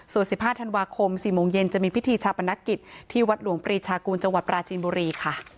ส่วน๑๕ธันวาคม๔โมงเย็นจะมีพิธีชาปนกิจที่วัดหลวงปรีชากูลจังหวัดปราจีนบุรีค่ะ